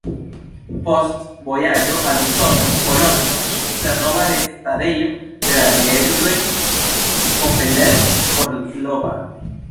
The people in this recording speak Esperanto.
Post vojaĝo al Usono, Kolonjo iĝis la nova restadejo de la geedzoj Kopelev-Orlova.